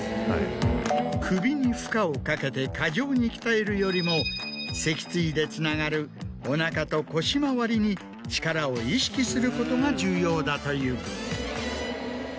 首に負荷をかけて過剰に鍛えるよりも脊椎でつながるおなかと腰回りに力を意識することが重要だという。